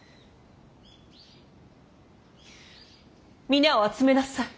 皆を集めなさい。